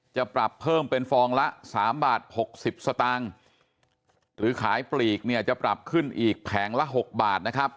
จะปรับเพิ่มเป็นฟองละ๓บาท๖๐สตางค์หรือขายปลีกเนี่ยจะปรับขึ้นอีกแผงละ๖บาทนะครับ